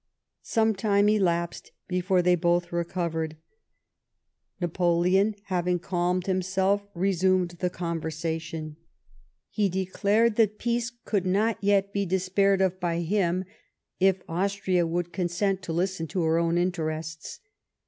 Some time elapsed before they both recovered. Napoleon, having calmed himself, resumed the con versation. He declared that peace would not yet be despaired of by him, if Austria would consent to listen to her own interests.